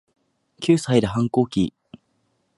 九歳で反抗期